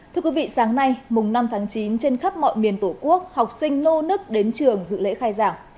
thưa quý vị sáng nay mùng năm tháng chín trên khắp mọi miền tổ quốc học sinh nô nức đến trường dự lễ khai giảng